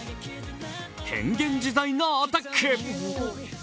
変幻自在なアタック。